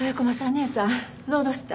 姉さんどうどした？